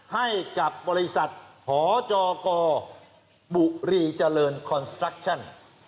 ให้กับบริษัทหจกบุรีเจริญคอนสตัคชั่น